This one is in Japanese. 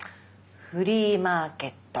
フリーマーケット。